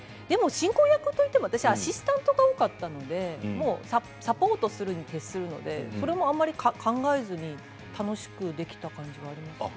でも進行役といってもアシスタントも多かったのでサポートに徹するのであまり考えずに楽しくできた感じはあります。